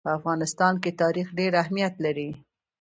په افغانستان کې تاریخ ډېر اهمیت لري.